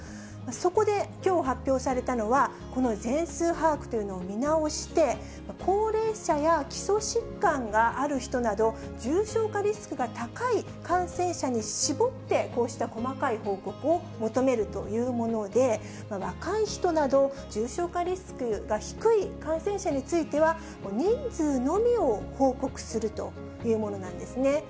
そこで、きょう発表されたのは、この全数把握というのを見直して、高齢者や基礎疾患がある人など、重症化リスクが高い感染者に絞って、こうした細かい報告を求めるというもので、若い人など、重症化リスクが低い感染者については、人数のみを報告するというものなんですね。